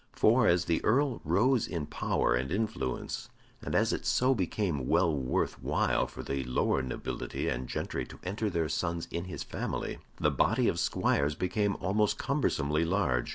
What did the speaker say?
For, as the Earl rose in power and influence, and as it so became well worth while for the lower nobility and gentry to enter their sons in his family, the body of squires became almost cumbersomely large.